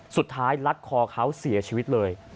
สุดท้ายลัดคอเขาเสียชีวิตเลย